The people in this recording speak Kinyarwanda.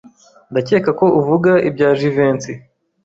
Ndakeka ko uvuga ibya Jivency.